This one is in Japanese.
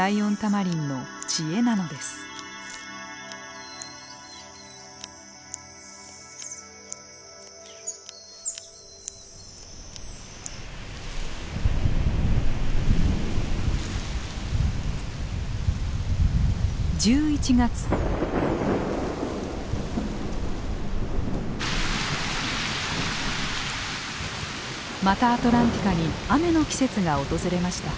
マタアトランティカに雨の季節が訪れました。